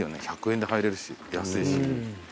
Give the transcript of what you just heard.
１００円で入れるし安いし。